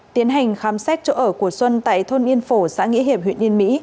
tiến hành khám xét chỗ ở của xuân tại thôn yên phổ xã nghĩa hiệp huyện yên mỹ